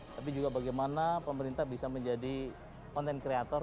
tapi juga bagaimana pemerintah bisa menjadi konten kreator